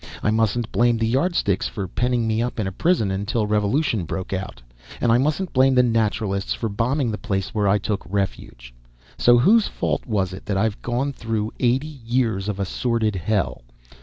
I mustn't blame the Yardsticks for penning me up in prison until revolution broke out, and I mustn't blame the Naturalists for bombing the place where I took refuge. So whose fault was it that I've gone through eighty years of assorted hell?